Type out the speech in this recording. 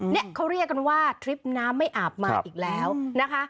เนี่ยเขาเรียกกันว่าทริปน้ำไม่อาบมาอีกแล้วนะคะ